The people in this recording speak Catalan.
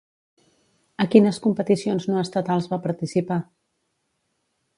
A quines competicions no estatals va participar?